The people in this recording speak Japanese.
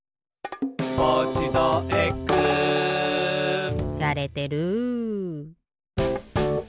「ポーチドエッグ」しゃれてる！